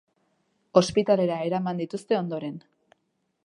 Ospitalera eraman dituzte ondoren.